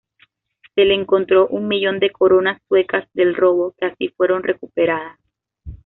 Se le encontró un millón de coronas suecas del robo, que así fueron recuperadas.